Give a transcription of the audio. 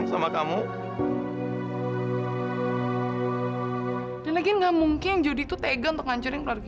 sampai jumpa di video selanjutnya